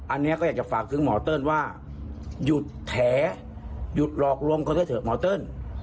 อันนี้ก็อยากจะฝากถึงหมอเติ้ลว่าหยุดแถหยุดหลอกลวงเขาซะเถอะหมอเติ้ล